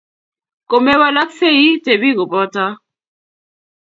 Ko mewalaksei; tebi kobota.